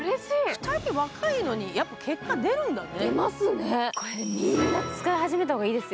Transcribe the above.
２人若いのに、やっぱり結果出るんだね。